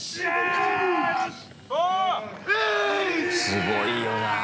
すごいよなぁ